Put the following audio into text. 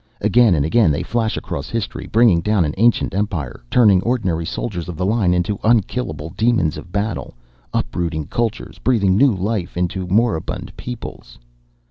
Again and again they flash across history, bringing down an ancient empire, turning ordinary soldiers of the line into unkillable demons of battle, uprooting cultures, breathing new life into moribund peoples.